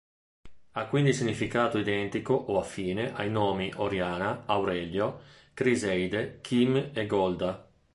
Ha quindi significato identico o affine ai nomi Oriana, Aurelio, Criseide, Kim e Golda.